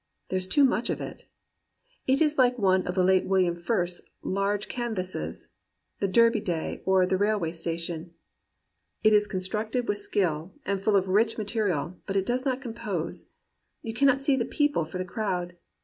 There is too much of it. It is like one of the late William Frith's large can vases, "The Derby Day," or "The Railway Sta tion." It is constructed with skill, and full of rich material, but it does not compose. You cannot see the people for the crowd.